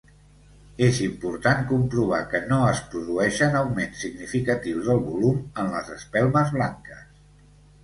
És important comprovar que no es produeixen augments significatius del volum en les espelmes blanques.